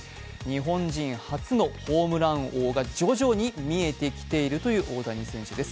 日本人初のホームラン王が徐々に見えてきているという大谷選手です。